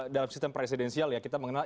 dalam sistem presidensial ya kita mengenal